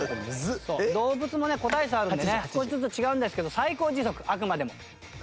動物もね個体差あるんでね少しずつ違うんですけど最高時速あくまでも。